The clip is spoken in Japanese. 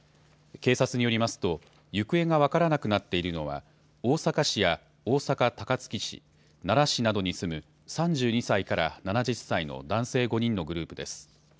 警察によりますと行方が分からなくなっているのは大阪市や大阪高槻市、奈良市などに住む３２歳から７０歳の男性５人のグループです。